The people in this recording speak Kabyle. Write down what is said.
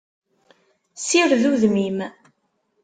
Sired udem-im!